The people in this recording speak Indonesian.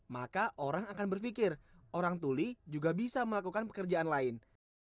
maka orang akan berpikir orang tuli juga bisa melakukan pekerjaan lain